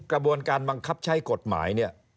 สองกระบวนการบังคับใช้กฎหมาย